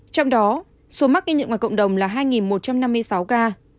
trong đó số mắc ghi nhận ngoài cộng đồng là hai một trăm năm mươi sáu ca